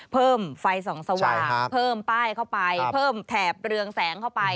เพิ่มไฟส่องสว่างเพิ่มป้ายเข้าไปเพิ่มแถบเรืองแสงเข้าไป